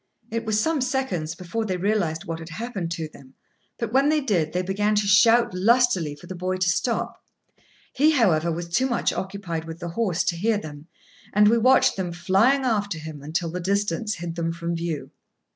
It was some seconds before they realised what had happened to them, but, when they did, they began to shout lustily for the boy to stop. He, however, was too much occupied with the horse to hear them, and we watched them, flying after him, until the distance hid them from view.